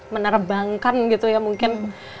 menerbangkan gitu ya mungkin